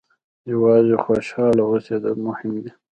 یوازې خوشاله اوسېدل مهم دي.